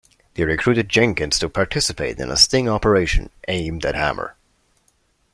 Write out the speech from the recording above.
They recruited Jenkins to participate in a sting operation aimed at Hammer.